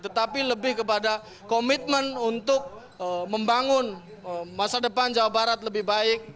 tetapi lebih kepada komitmen untuk membangun masa depan jawa barat lebih baik